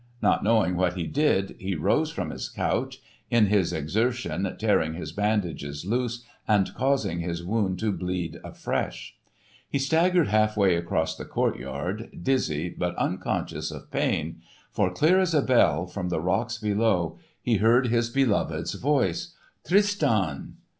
Not knowing what he did, he rose from his couch, in his exertion tearing his bandages loose and causing his wound to bleed afresh. He staggered half way across the courtyard, dizzy but unconscious of pain; for clear as a bell, from the rocks below, he heard his beloved's voice; "Tristan!"